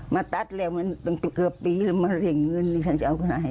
มาตัดแล้วมันตั้งเกือบปีแล้วมาเรียกเงินนี่ฉันจะเอาคนไหน